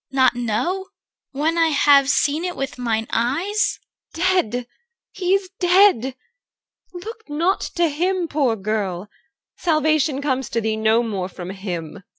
CHR. Not know? when I have seen it with mine eyes? EL. Dear, he is dead. Look not to him, poor girl! Salvation comes to thee no more from him.